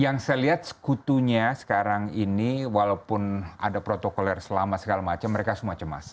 yang saya lihat sekutunya sekarang ini walaupun ada protokoler selama segala macam mereka semua cemas